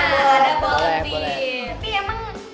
nah ada volunteer